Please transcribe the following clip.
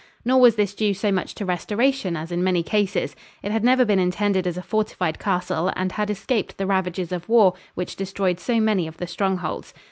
Nor was this due so much to restoration as in many cases. It had never been intended as a fortified castle and had escaped the ravages of war which destroyed so many of the strongholds.